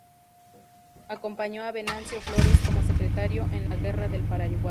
Acompañó a Venancio Flores, como secretario, en la guerra del Paraguay.